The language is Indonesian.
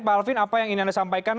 pak alvin apa yang ingin anda sampaikan